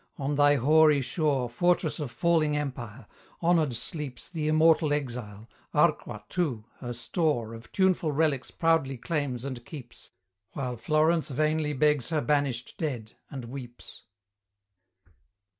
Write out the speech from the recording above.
on thy hoary shore, Fortress of falling empire! honoured sleeps The immortal exile; Arqua, too, her store Of tuneful relics proudly claims and keeps, While Florence vainly begs her banished dead, and weeps.